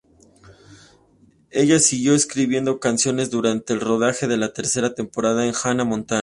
Ella siguió escribiendo canciones durante el rodaje de la tercera temporada de Hannah Montana.